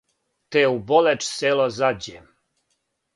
Те у Болеч село зађе,